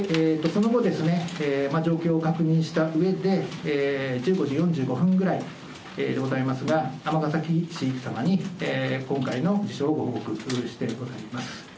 その後、状況確認したうえで、１５時４５分ぐらいでございますが、尼崎市様に今回の事象をご報告してございます。